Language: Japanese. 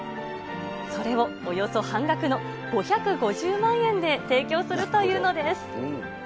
それをおよそ半額の５５０万円で提供するというのです。